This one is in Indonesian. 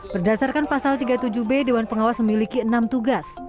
berdasarkan pasal tiga puluh tujuh b dewan pengawas memiliki enam tugas